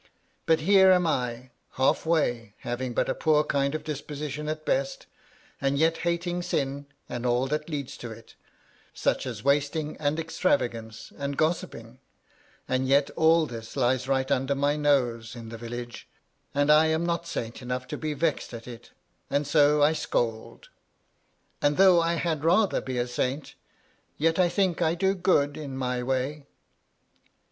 But here am I, half way, having but a poor kind of disposition at best, and yet hating sin, and all that leads to it, such as wasting and extravagance, and gossiping, — and yet all this lies right under my nose in the village, and I am not saint enough to be vexed at it ; and so I scold, ^d though I had rather be a saint, yet I think I do good in my way.''